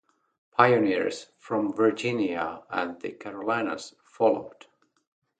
Pioneers from Virginia and the Carolinas followed.